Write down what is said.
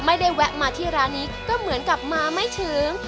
แวะมาที่ร้านนี้ก็เหมือนกับมาไม่ถึง